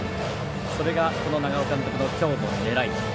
それが、長尾監督のきょうの狙い。